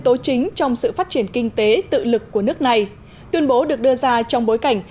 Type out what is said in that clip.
tố chính trong sự phát triển kinh tế tự lực của nước này tuyên bố được đưa ra trong bối cảnh